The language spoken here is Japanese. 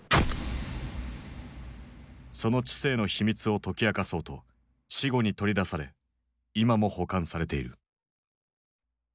その知性の秘密を解き明かそうと死後に取り出され今も保管されている。